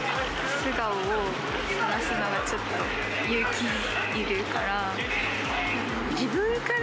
素顔をさらすのはちょっと勇気いるから。